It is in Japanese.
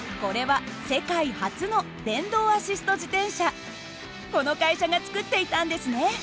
これはこの会社が作っていたんですね。